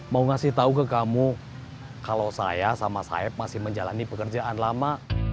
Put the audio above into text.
mau ngasih tahu ke kamu kalau saya sama sayap masih menjalani pekerjaan lama